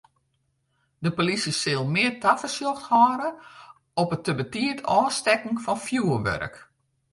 De polysje sil mear tafersjoch hâlde op it te betiid ôfstekken fan fjoerwurk.